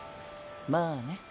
まあね。